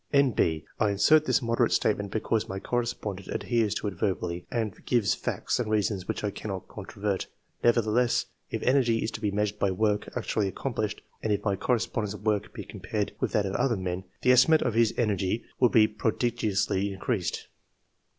[N.B. I insert this moderate statement because my correspon dent adheres to it verbally, and gives facts and reasons which I cannot controvert ; nevertheless, if energy is to be measured by work actually accomplished, and if my correspondent's work be compared with that of other men, the estimate of his energy would be prodigiously increased.